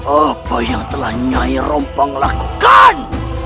apa yang telah nyai rompong lakukan